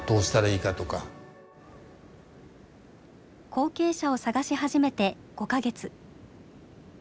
後継者を探し始めて５か月。